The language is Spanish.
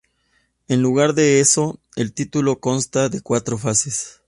En lugar de eso, el título consta de cuatro fases.